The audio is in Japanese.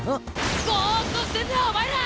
ボッとしてんなお前ら！